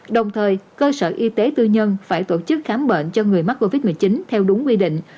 đồng thời cơ sở y tế tư nhân phải tổ chức khám bệnh cho người mắc covid một mươi chín theo đúng quy định